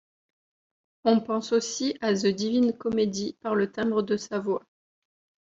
On pense aussi à The Divine Comedy par le timbre de sa voix.